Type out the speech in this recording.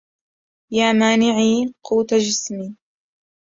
يا مانعي قوت جسمي